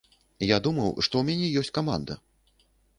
Я думаў, што ў мяне ёсць каманда.